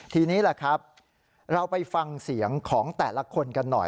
ทีนี้แหละครับเราไปฟังเสียงของแต่ละคนกันหน่อย